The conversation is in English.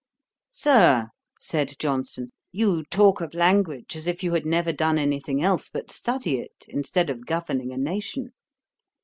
'Sir, (said Johnson,) you talk of language, as if you had never done any thing else but study it, instead of governing a nation.'